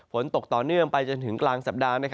ฝนตกต่อเนื่องไปจนถึงกลางสัปดาห์